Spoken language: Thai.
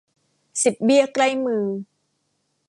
สิบเบี้ยใกล้มือ